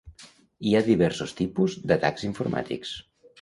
Hi ha diversos tipus d'atacs informàtics.